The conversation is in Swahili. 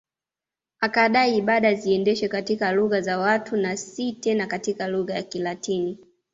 Akadai ibada ziendeshwe katika lugha za watu na si tena katika lugha ya Kilatini